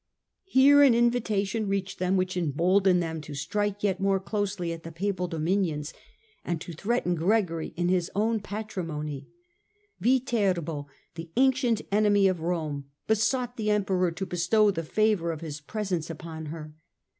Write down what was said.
FIRE AND SWORD 179 Here an invitation reached him which emboldened him to strike yet more closely at the Papal dominions, and to threaten Gregory in his own Patrimony. Viterbo, the ancient enemy of Rome, besought the Emperor to bestow the favour of his presence upon her.